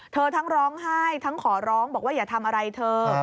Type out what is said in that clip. ทั้งร้องไห้ทั้งขอร้องบอกว่าอย่าทำอะไรเธอ